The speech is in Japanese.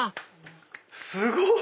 すごい！